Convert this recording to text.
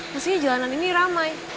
maksudnya jalanan ini ramai